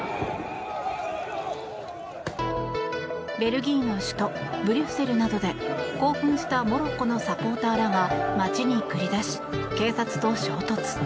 ベルギーの首都ブリュッセルなどで興奮したモロッコのサポーターらが街に繰り出し、警察と衝突。